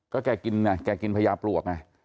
ก็แกกินพยาปลวกไง